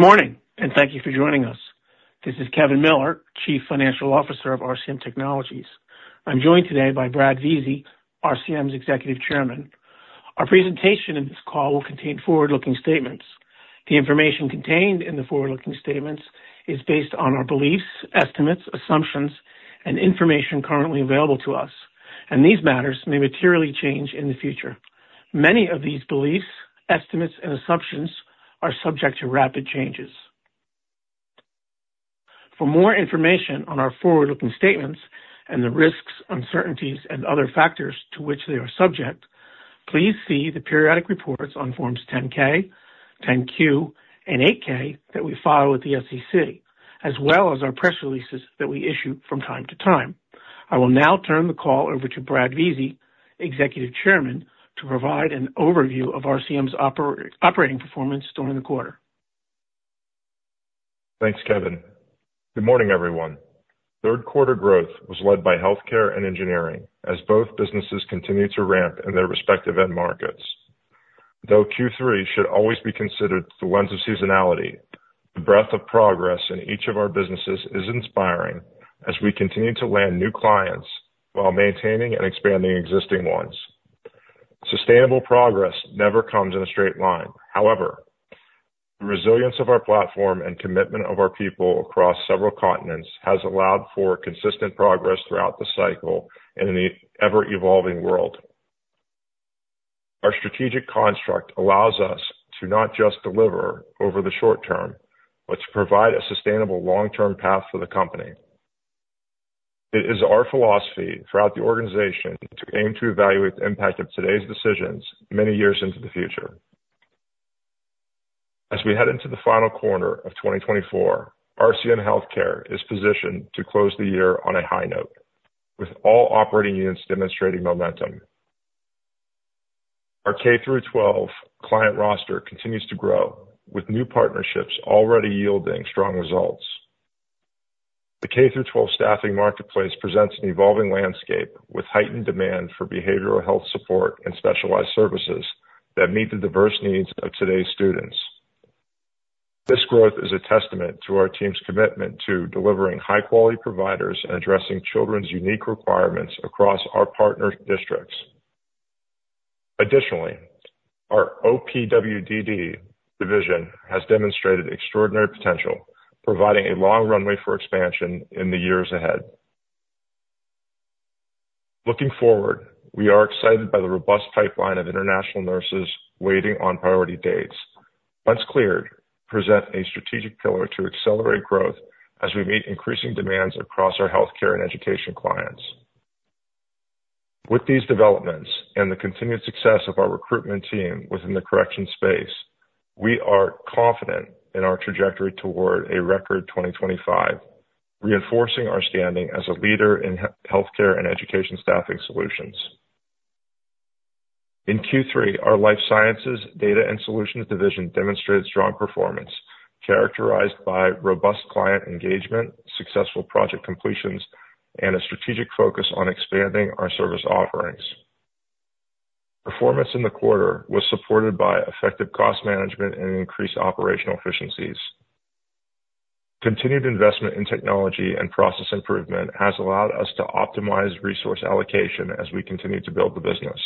Good morning, and thank you for joining us. This is Kevin Miller, Chief Financial Officer of RCM Technologies. I'm joined today by Brad Vizi, RCM's Executive Chairman. Our presentation and this call will contain forward-looking statements. The information contained in the forward-looking statements is based on our beliefs, estimates, assumptions, and information currently available to us, and these matters may materially change in the future. Many of these beliefs, estimates, and assumptions are subject to rapid changes. For more information on our forward-looking statements and the risks, uncertainties, and other factors to which they are subject, please see the periodic reports on Forms 10-K, 10-Q, and 8-K that we file with the SEC, as well as our press releases that we issue from time to time. I will now turn the call over to Brad Vizi, Executive Chairman, to provide an overview of RCM's operating performance during the quarter. Thanks, Kevin. Good morning, everyone. Third-quarter growth was led by healthcare and engineering as both businesses continued to ramp in their respective end markets. Though Q3 should always be considered through the lens of seasonality, the breadth of progress in each of our businesses is inspiring as we continue to land new clients while maintaining and expanding existing ones. Sustainable progress never comes in a straight line. However, the resilience of our platform and commitment of our people across several continents has allowed for consistent progress throughout the cycle in an ever-evolving world. Our strategic construct allows us to not just deliver over the short term, but to provide a sustainable long-term path for the company. It is our philosophy throughout the organization to aim to evaluate the impact of today's decisions many years into the future. As we head into the final quarter of 2024, RCM Healthcare is positioned to close the year on a high note, with all operating units demonstrating momentum. Our K-12 client roster continues to grow, with new partnerships already yielding strong results. The K-12 staffing marketplace presents an evolving landscape with heightened demand for behavioral health support and specialized services that meet the diverse needs of today's students. This growth is a testament to our team's commitment to delivering high-quality providers and addressing children's unique requirements across our partner districts. Additionally, our OPWDD division has demonstrated extraordinary potential, providing a long runway for expansion in the years ahead. Looking forward, we are excited by the robust pipeline of international nurses waiting on priority dates. Once cleared, we present a strategic pillar to accelerate growth as we meet increasing demands across our healthcare and education clients. With these developments and the continued success of our recruitment team within the corrections space, we are confident in our trajectory toward a record 2025, reinforcing our standing as a leader in healthcare and education staffing solutions. In Q3, our Life Sciences, Data, and Solutions division demonstrated strong performance, characterized by robust client engagement, successful project completions, and a strategic focus on expanding our service offerings. Performance in the quarter was supported by effective cost management and increased operational efficiencies. Continued investment in technology and process improvement has allowed us to optimize resource allocation as we continue to build the business.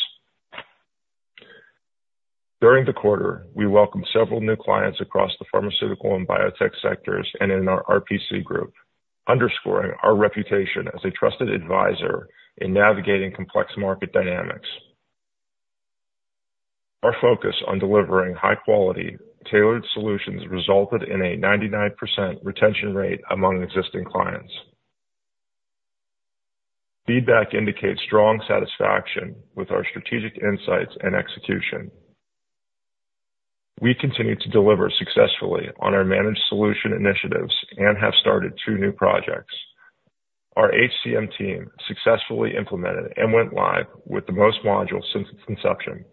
During the quarter, we welcomed several new clients across the pharmaceutical and biotech sectors and in our RPC group, underscoring our reputation as a trusted advisor in navigating complex market dynamics. Our focus on delivering high-quality, tailored solutions resulted in a 99% retention rate among existing clients. Feedback indicates strong satisfaction with our strategic insights and execution. We continue to deliver successfully on our managed solution initiatives and have started two new projects. Our HCM team successfully implemented and went live with the most modules since conception.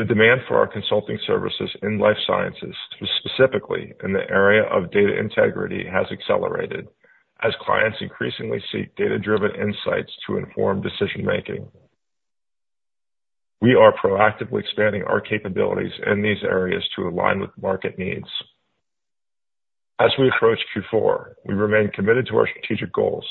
The demand for our consulting services in life sciences, specifically in the area of data integrity, has accelerated as clients increasingly seek data-driven insights to inform decision-making. We are proactively expanding our capabilities in these areas to align with market needs. As we approach Q4, we remain committed to our strategic goals.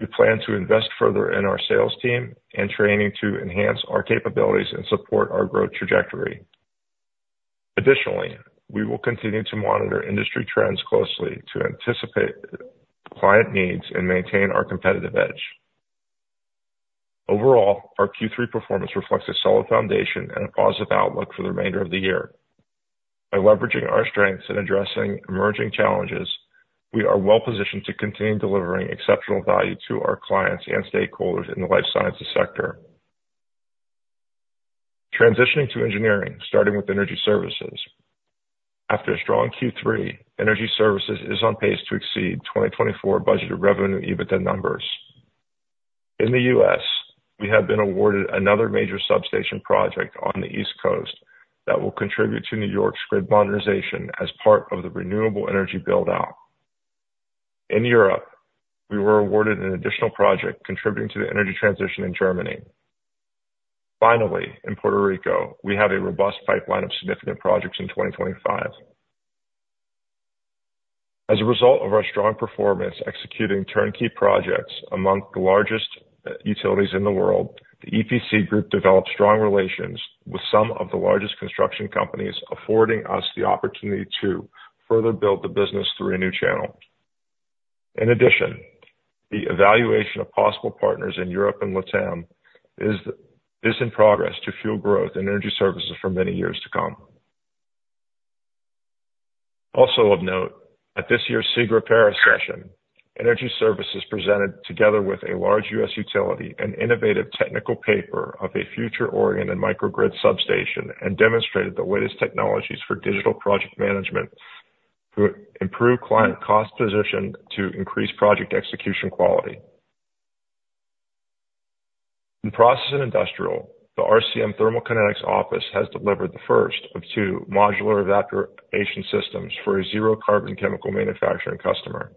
We plan to invest further in our sales team and training to enhance our capabilities and support our growth trajectory. Additionally, we will continue to monitor industry trends closely to anticipate client needs and maintain our competitive edge. Overall, our Q3 performance reflects a solid foundation and a positive outlook for the remainder of the year. By leveraging our strengths and addressing emerging challenges, we are well-positioned to continue delivering exceptional value to our clients and stakeholders in the life sciences sector. Transitioning to engineering, starting with Energy Services. After a strong Q3, Energy Services is on pace to exceed 2024 budgeted revenue EBITDA numbers. In the U.S., we have been awarded another major substation project on the East Coast that will contribute to New York's grid modernization as part of the renewable energy build-out. In Europe, we were awarded an additional project contributing to the energy transition in Germany. Finally, in Puerto Rico, we have a robust pipeline of significant projects in 2025. As a result of our strong performance executing turnkey projects among the largest utilities in the world, the EPC group developed strong relations with some of the largest construction companies, affording us the opportunity to further build the business through a new channel. In addition, the evaluation of possible partners in Europe and LatAm is in progress to fuel growth in Energy Services for many years to come. Also of note, at this year's CIGRE Paris session, Energy Services presented together with a large U.S. utility an innovative technical paper of a future-oriented microgrid substation and demonstrated the latest technologies for digital project management to improve client cost position to increase project execution quality. In Process and Industrial, the RCM Thermal Kinetics office has delivered the first of two modular evaporation systems for a zero-carbon chemical manufacturing customer.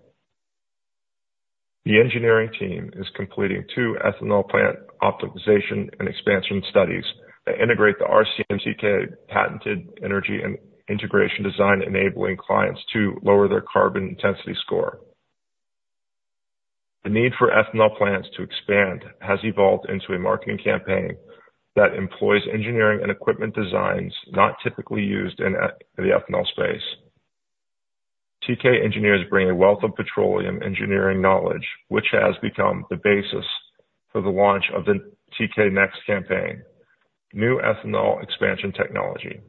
The engineering team is completing two ethanol plant optimization and expansion studies that integrate the RCM TK patented energy and integration design enabling clients to lower their carbon intensity score. The need for ethanol plants to expand has evolved into a marketing campaign that employs engineering and equipment designs not typically used in the ethanol space. TK engineers bring a wealth of petroleum engineering knowledge, which has become the basis for the launch of the TK NEXT campaign, new ethanol expansion technology.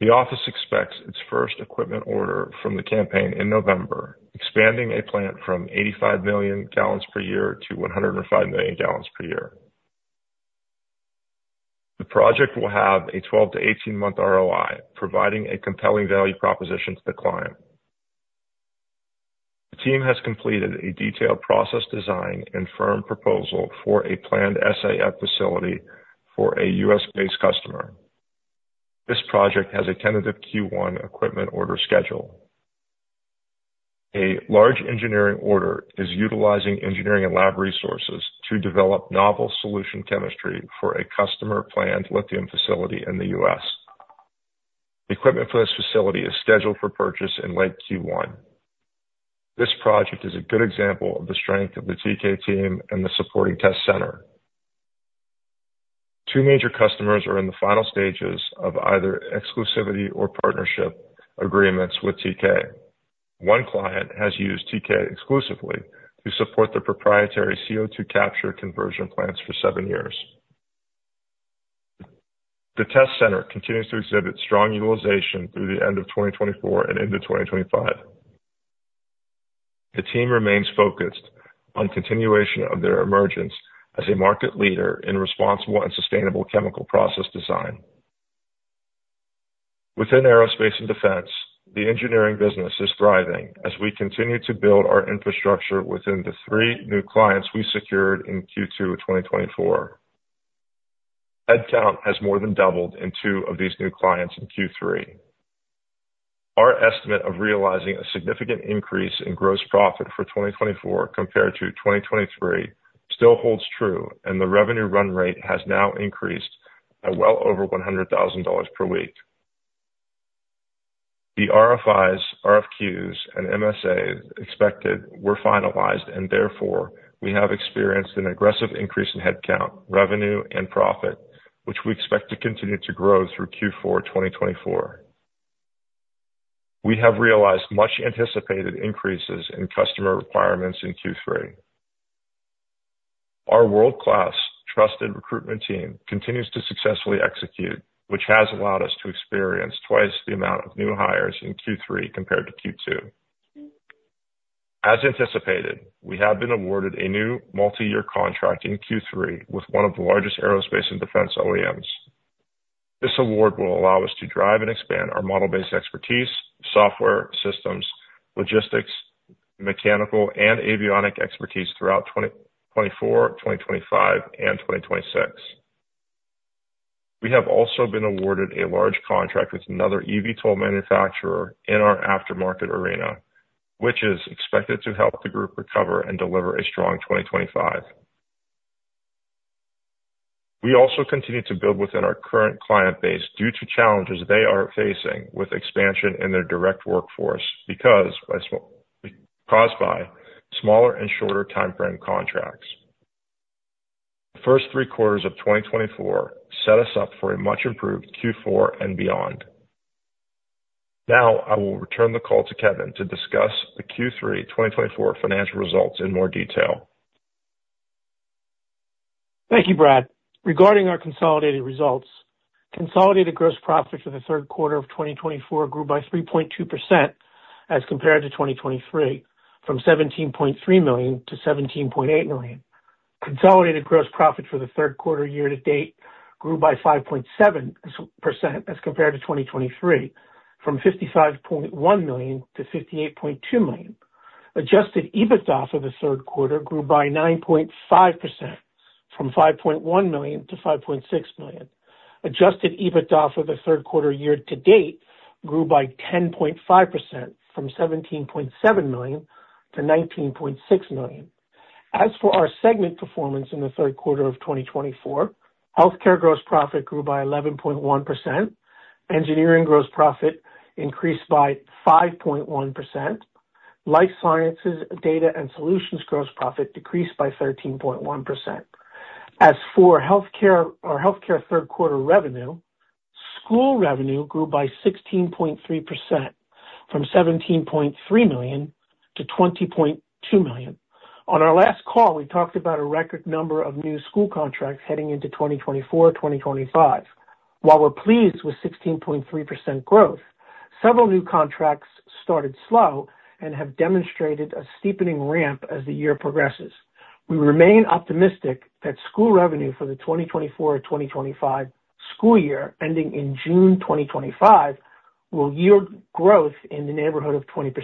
The office expects its first equipment order from the campaign in November, expanding a plant from 85 million gallons per year to 105 million gallons per year. The project will have a 12- to 18-month ROI, providing a compelling value proposition to the client. The team has completed a detailed process design and firm proposal for a planned SAF facility for a U.S.-based customer. This project has a tentative Q1 equipment order schedule. A large engineering order is utilizing engineering and lab resources to develop novel solution chemistry for a customer-planned lithium facility in the U.S. Equipment for this facility is scheduled for purchase in late Q1. This project is a good example of the strength of the TK team and the supporting test center. Two major customers are in the final stages of either exclusivity or partnership agreements with TK. One client has used TK exclusively to support the proprietary CO2 capture conversion plants for seven years. The test center continues to exhibit strong utilization through the end of 2024 and into 2025. The team remains focused on continuation of their emergence as a market leader in responsible and sustainable chemical process design. Within Aerospace and Defense, the engineering business is thriving as we continue to build our infrastructure within the three new clients we secured in Q2 2024. Headcount has more than doubled in two of these new clients in Q3. Our estimate of realizing a significant increase in gross profit for 2024 compared to 2023 still holds true, and the revenue run rate has now increased by well over $100,000 per week. The RFIs, RFQs, and MSAs expected were finalized, and therefore we have experienced an aggressive increase in headcount, revenue, and profit, which we expect to continue to grow through Q4 2024. We have realized much-anticipated increases in customer requirements in Q3. Our world-class, trusted recruitment team continues to successfully execute, which has allowed us to experience twice the amount of new hires in Q3 compared to Q2. As anticipated, we have been awarded a new multi-year contract in Q3 with one of the largest Aerospace and Defense OEMs. This award will allow us to drive and expand our model-based expertise, software systems, logistics, mechanical, and avionic expertise throughout 2024, 2025, and 2026. We have also been awarded a large contract with another eVTOL manufacturer in our aftermarket arena, which is expected to help the group recover and deliver a strong 2025. We also continue to build within our current client base due to challenges they are facing with expansion in their direct workforce caused by smaller and shorter timeframe contracts. The first three quarters of 2024 set us up for a much-improved Q4 and beyond. Now I will return the call to Kevin to discuss the Q3 2024 financial results in more detail. Thank you, Brad. Regarding our consolidated results, consolidated gross profits for the third quarter of 2024 grew by 3.2% as compared to 2023, from $17.3 million to $17.8 million. Consolidated gross profits for the third quarter year to date grew by 5.7% as compared to 2023, from $55.1 million to $58.2 million. Adjusted EBITDA for the third quarter grew by 9.5%, from $5.1 million to $5.6 million. Adjusted EBITDA for the third quarter year to date grew by 10.5%, from $17.7 million to $19.6 million. As for our segment performance in the third quarter of 2024, healthcare gross profit grew by 11.1%. Engineering gross profit increased by 5.1%. Life Sciences, Data, and Solutions gross profit decreased by 13.1%. As for healthcare third quarter revenue, school revenue grew by 16.3%, from $17.3 million to $20.2 million. On our last call, we talked about a record number of new school contracts heading into 2024-2025. While we're pleased with 16.3% growth, several new contracts started slow and have demonstrated a steepening ramp as the year progresses. We remain optimistic that school revenue for the 2024-2025 school year ending in June 2025 will yield growth in the neighborhood of 20%.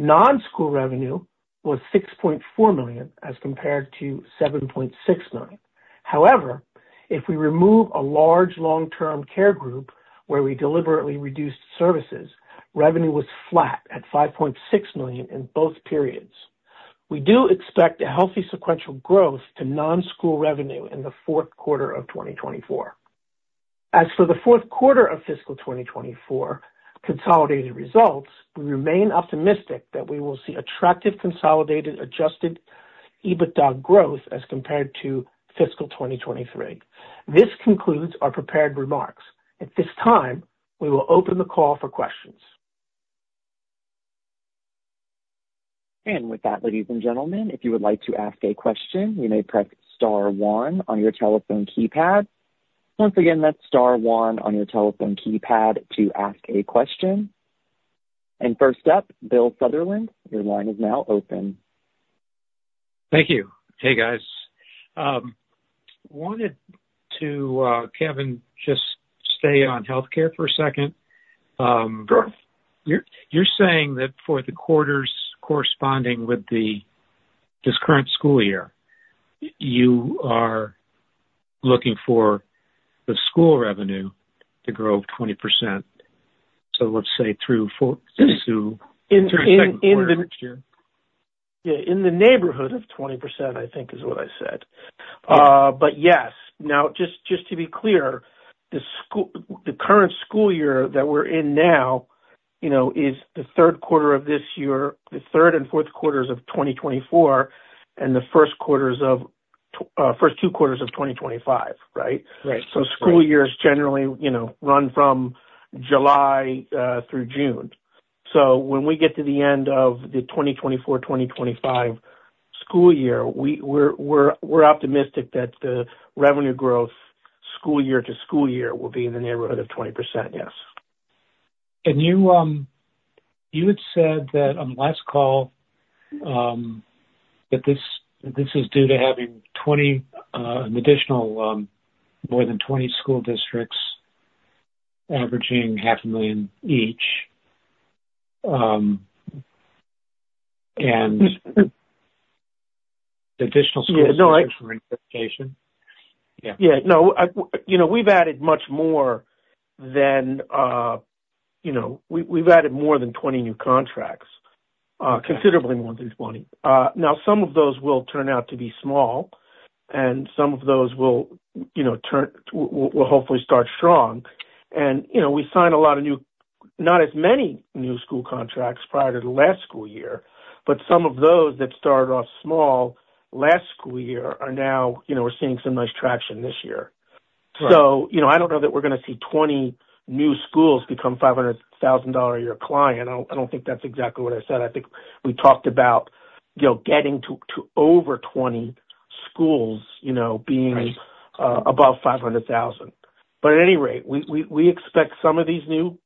Non-school revenue was $6.4 million as compared to $7.6 million. However, if we remove a large long-term care group where we deliberately reduced services, revenue was flat at $5.6 million in both periods. We do expect a healthy sequential growth to non-school revenue in the fourth quarter of 2024. As for the fourth quarter of fiscal 2024 consolidated results, we remain optimistic that we will see attractive consolidated Adjusted EBITDA growth as compared to fiscal 2023. This concludes our prepared remarks. At this time, we will open the call for questions. With that, ladies and gentlemen, if you would like to ask a question, you may press star one on your telephone keypad. Once again, that's star one on your telephone keypad to ask a question. First up, Bill Sutherland, your line is now open. Thank you. Hey, guys. Wanted to, Kevin, just stay on healthcare for a second. You're saying that for the quarters corresponding with this current school year, you are looking for the school revenue to grow 20%. So let's say through fiscal 2024 next year. In the neighborhood of 20%, I think, is what I said. But yes, now just to be clear, the current school year that we're in now is the third quarter of this year, the third and fourth quarters of 2024, and the first two quarters of 2025, right? So school years generally run from July through June. So when we get to the end of the 2024-2025 school year, we're optimistic that the revenue growth school year to school year will be in the neighborhood of 20%, yes. And you had said that on the last call that this is due to having an additional more than 20 school districts averaging $500,000 each. And additional school districts for identification. Yeah. Yeah. No, we've added much more than 20 new contracts, considerably more than 20. Now, some of those will turn out to be small, and some of those will hopefully start strong, and we signed a lot of new, not as many new school contracts prior to the last school year, but some of those that started off small last school year are now. We're seeing some nice traction this year, so I don't know that we're going to see 20 new schools become $500,000 a year client. I don't think that's exactly what I said. I think we talked about getting to over 20 schools being above $500,000, but at any rate, we expect some of these new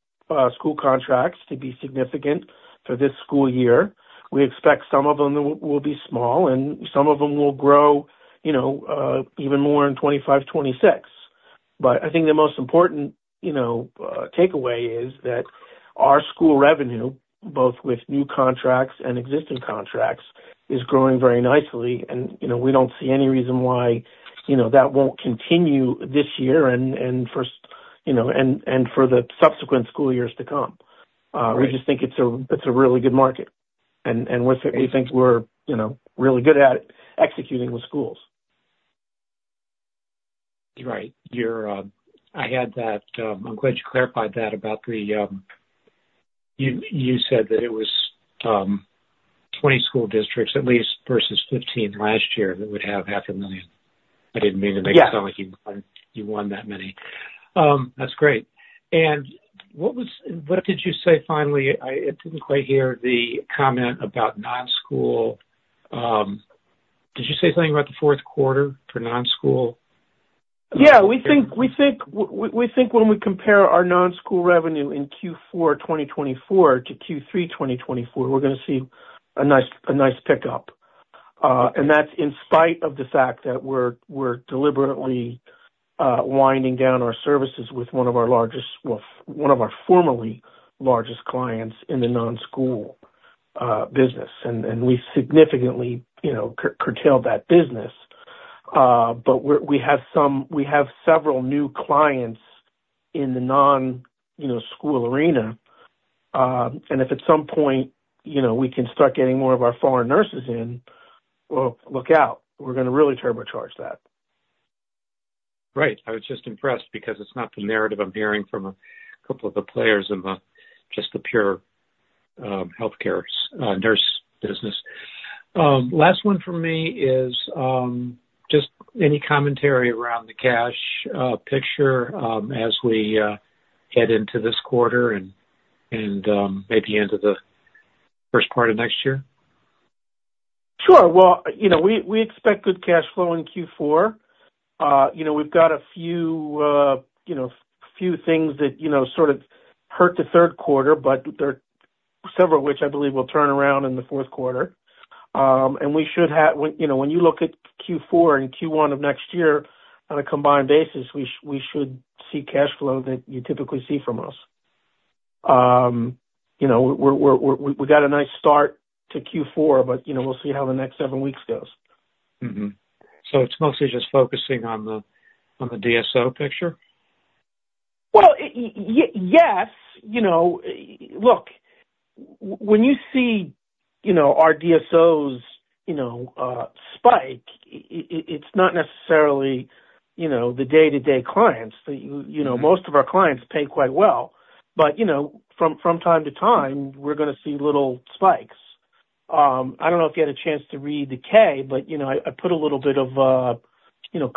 school contracts to be significant for this school year. We expect some of them will be small, and some of them will grow even more in 2025, 2026. But I think the most important takeaway is that our school revenue, both with new contracts and existing contracts, is growing very nicely, and we don't see any reason why that won't continue this year and for the subsequent school years to come. We just think it's a really good market, and we think we're really good at executing with schools. Right. I had that. I'm glad you clarified that about the you said that it was 20 school districts at least versus 15 last year that would have half a million. I didn't mean to make it sound like you won that many. That's great. And what did you say finally? I didn't quite hear the comment about non-school. Did you say something about the fourth quarter for non-school? Yeah. We think when we compare our non-school revenue in Q4 2024 to Q3 2024, we're going to see a nice pickup. And that's in spite of the fact that we're deliberately winding down our services with one of our largest, one of our formerly largest clients in the non-school business, and we significantly curtailed that business. But we have several new clients in the non-school arena. And if at some point we can start getting more of our foreign nurses in, well, look out. We're going to really turbocharge that. Right. I was just impressed because it's not the narrative I'm hearing from a couple of the players in just the pure healthcare nurse business. Last one for me is just any commentary around the cash picture as we head into this quarter and maybe into the first part of next year? Sure. Well, we expect good cash flow in Q4. We've got a few things that sort of hurt the third quarter, but several of which I believe will turn around in the fourth quarter. And we should have, when you look at Q4 and Q1 of next year on a combined basis, we should see cash flow that you typically see from us. We got a nice start to Q4, but we'll see how the next seven weeks goes. So it's mostly just focusing on the DSO picture? Yes. Look, when you see our DSOs spike, it's not necessarily the day-to-day clients. Most of our clients pay quite well. But from time to time, we're going to see little spikes. I don't know if you had a chance to read the K, but I put a little bit of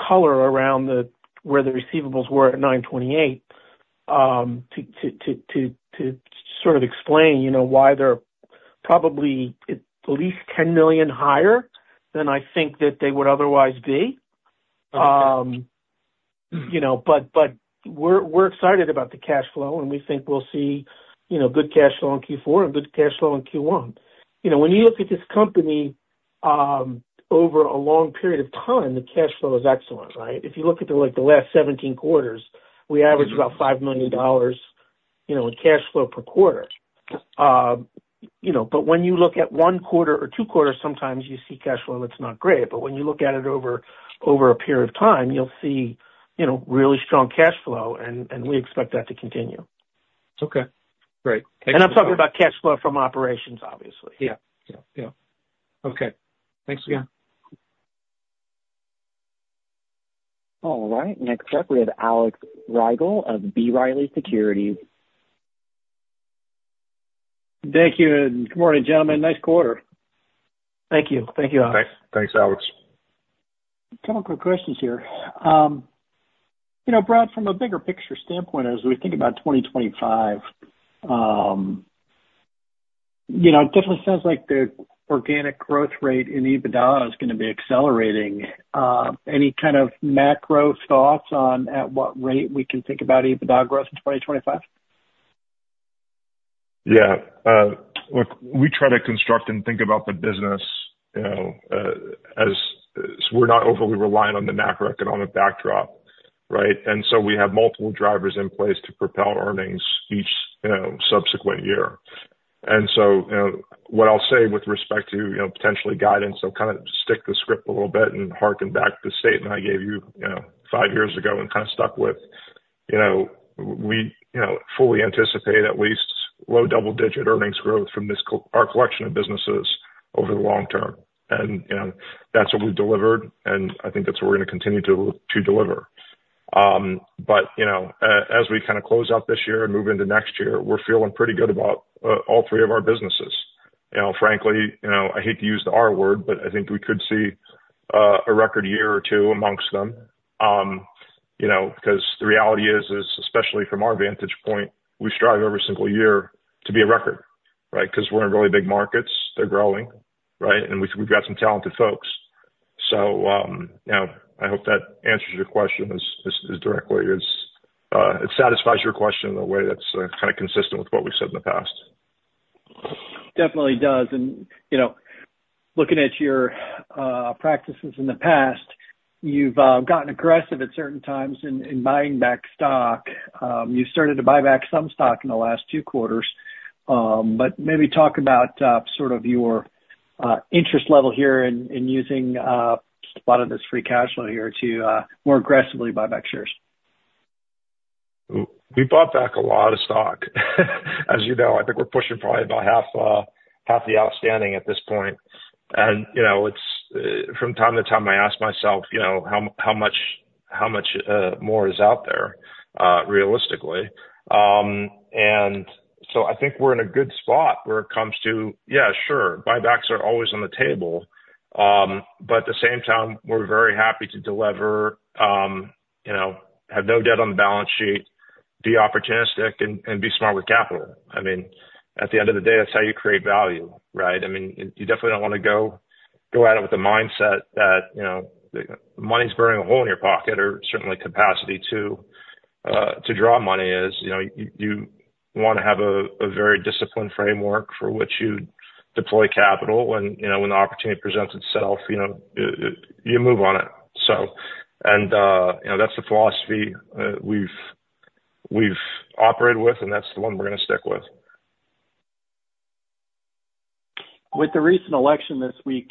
color around where the receivables were at 928 to sort of explain why they're probably at least $10 million higher than I think that they would otherwise be. But we're excited about the cash flow, and we think we'll see good cash flow in Q4 and good cash flow in Q1. When you look at this company over a long period of time, the cash flow is excellent, right? If you look at the last 17 quarters, we averaged about $5 million in cash flow per quarter. But when you look at one quarter or two quarters, sometimes you see cash flow that's not great. But when you look at it over a period of time, you'll see really strong cash flow, and we expect that to continue. Okay. Great. I'm talking about cash flow from operations, obviously. Yeah. Yeah. Yeah. Okay. Thanks again. All right. Next up, we have Alex Rygiel of B. Riley Securities. Thank you. Good morning, gentlemen. Nice quarter. Thank you. Thank you, Alex. Thanks, Alex. A couple of quick questions here. Brad, from a bigger picture standpoint, as we think about 2025, it definitely sounds like the organic growth rate in EBITDA is going to be accelerating. Any kind of macro thoughts on at what rate we can think about EBITDA growth in 2025? Yeah. Look, we try to construct and think about the business as we're not overly reliant on the macroeconomic backdrop, right? So we have multiple drivers in place to propel earnings each subsequent year. And so what I'll say with respect to potentially guidance, I'll kind of stick to the script a little bit and hearken back to the statement I gave you five years ago and kind of stuck with. We fully anticipate at least low double-digit earnings growth from our collection of businesses over the long term. And that's what we've delivered, and I think that's what we're going to continue to deliver. But as we kind of close out this year and move into next year, we're feeling pretty good about all three of our businesses. Frankly, I hate to use the R word, but I think we could see a record year or two amongst them. Because the reality is, especially from our vantage point, we strive every single year to be a record, right? Because we're in really big markets. They're growing, right? And we've got some talented folks. So I hope that answers your question as directly as it satisfies your question in a way that's kind of consistent with what we've said in the past. Definitely does. And looking at your practices in the past, you've gotten aggressive at certain times in buying back stock. You started to buy back some stock in the last two quarters. But maybe talk about sort of your interest level here in using a lot of this free cash flow here to more aggressively buy back shares? We bought back a lot of stock. As you know, I think we're pushing probably about half the outstanding at this point, and from time to time, I ask myself how much more is out there realistically, and so I think we're in a good spot where it comes to, yeah, sure, buybacks are always on the table, but at the same time, we're very happy to deliver, have no debt on the balance sheet, be opportunistic, and be smart with capital. I mean, at the end of the day, that's how you create value, right? I mean, you definitely don't want to go at it with the mindset that money's burning a hole in your pocket or certainly capacity to draw money as you want to have a very disciplined framework for which you deploy capital, and when the opportunity presents itself, you move on it. That's the philosophy we've operated with, and that's the one we're going to stick with. With the recent election this week,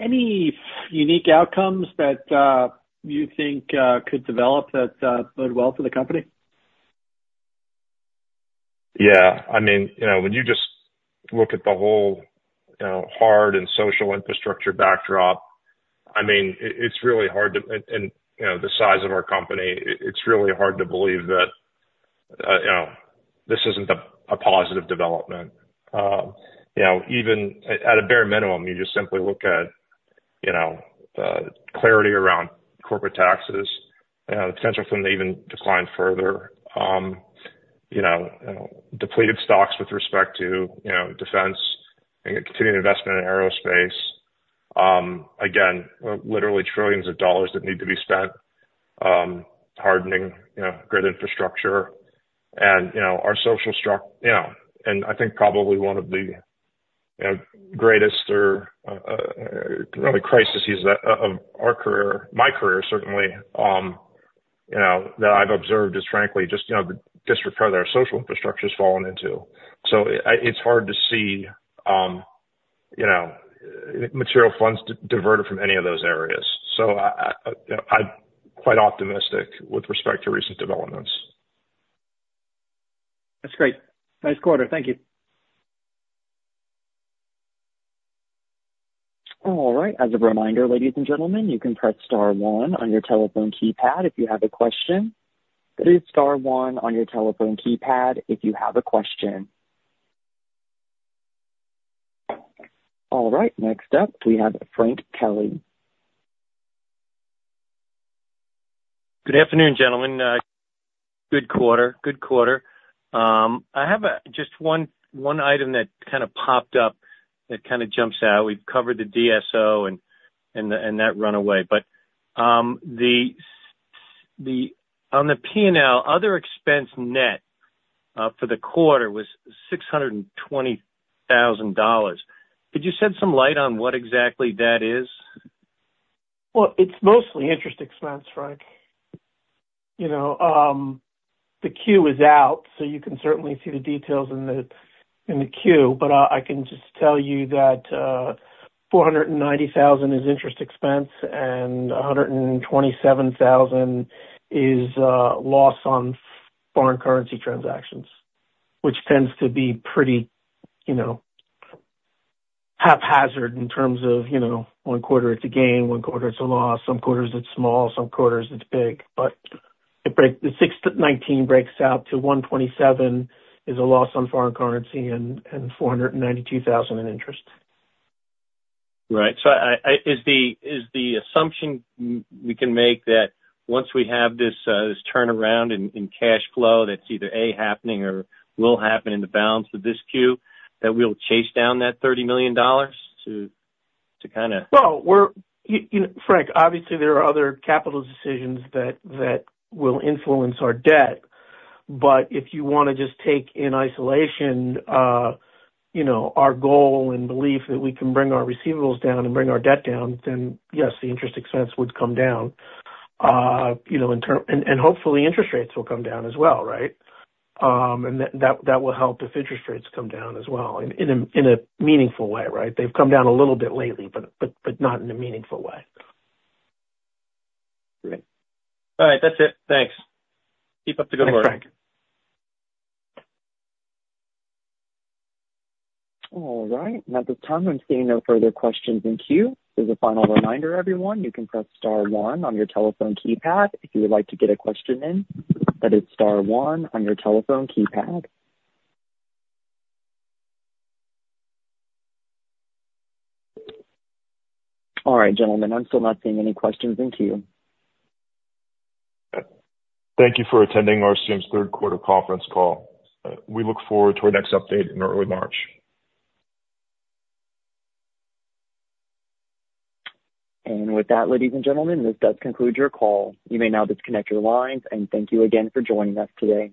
any unique outcomes that you think could develop that would bode well for the company? Yeah. I mean, when you just look at the whole hard and social infrastructure backdrop, I mean, it's really hard to, and the size of our company, it's really hard to believe that this isn't a positive development. Even at a bare minimum, you just simply look at clarity around corporate taxes, the potential for them to even decline further, depleted stocks with respect to defense, and continued investment in aerospace. Again, literally trillions of dollars that need to be spent hardening great infrastructure. And our social structure, and I think probably one of the greatest, or really, crises of our career, my career certainly, that I've observed is frankly just the disrepair that our social infrastructure has fallen into. So it's hard to see material funds diverted from any of those areas. So I'm quite optimistic with respect to recent developments. That's great. Nice quarter. Thank you. All right. As a reminder, ladies and gentlemen, you can press star one on your telephone keypad if you have a question. That is star one on your telephone keypad if you have a question. All right. Next up, we have Frank Kelly. Good afternoon, gentlemen. Good quarter. Good quarter. I have just one item that kind of popped up that kind of jumps out. We've covered the DSO and that run rate. But on the P&L, other expense net for the quarter was $620,000. Could you shed some light on what exactly that is? Well, it's mostly interest expense, Frank. The Q is out, so you can certainly see the details in the Q. But I can just tell you that $490,000 is interest expense, and $127,000 is loss on foreign currency transactions, which tends to be pretty haphazard in terms of one quarter it's a gain, one quarter it's a loss, some quarters it's small, some quarters it's big. But the $619 breaks out to $127 is a loss on foreign currency and $492,000 in interest. Right. So is the assumption we can make that once we have this turnaround in cash flow that's either A, happening or will happen in the balance of this Q, that we'll chase down that $30 million to kind of? Frank, obviously, there are other capital decisions that will influence our debt. But if you want to just take in isolation our goal and belief that we can bring our receivables down and bring our debt down, then yes, the interest expense would come down. And hopefully, interest rates will come down as well, right? And that will help if interest rates come down as well in a meaningful way, right? They've come down a little bit lately, but not in a meaningful way. Great. All right. That's it. Thanks. Keep up the good work. Thanks, Frank. All right. At this time, I'm seeing no further questions in queue. As a final reminder, everyone, you can press star one on your telephone keypad if you would like to get a question in. That is star one on your telephone keypad. All right, gentlemen. I'm still not seeing any questions in queue. Thank you for attending RCM's third quarter conference call. We look forward to our next update in early March. With that, ladies and gentlemen, this does conclude your call. You may now disconnect your lines. Thank you again for joining us today.